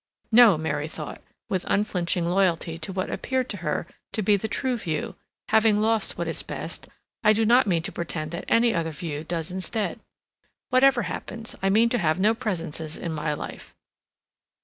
No, Mary thought, with unflinching loyalty to what appeared to her to be the true view, having lost what is best, I do not mean to pretend that any other view does instead. Whatever happens, I mean to have no presences in my life.